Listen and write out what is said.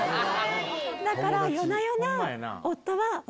だから夜な夜な夫は。